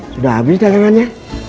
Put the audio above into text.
sudah habis tangannya